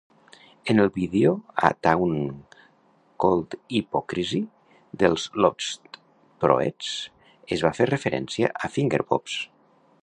En el vídeo A Town Called Hypocrisy dels Lostprohets, es va fer referència a Fingerbobs.